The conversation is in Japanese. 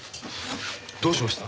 どうしました？